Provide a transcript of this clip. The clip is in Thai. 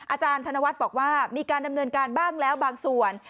อาจารย์ธนวัฒน์บอกว่ามีการดำเนินการบ้างแล้วบางส่วน